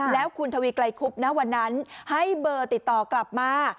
แล้วคุณทวีไกลคุบนะวันนั้นให้เบอร์ติดต่อกลับมา